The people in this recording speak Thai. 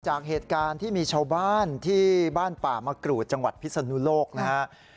จากเหตุการณ์ที่มีชาวบ้านที่บ้านป่ามะกรูดจังหวัดพิศนุโลกนะครับ